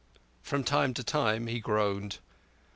From time to time he groaned.